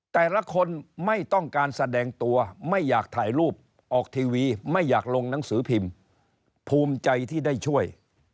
แต่ละคนไม่ต้องการแสดงตัวไม่อยากถ่ายรูปออกทีวีไม่อยากลงหนังสือพิมพ์ภูมิใจที่ได้ช่วย